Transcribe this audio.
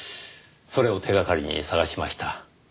それを手掛かりに捜しました。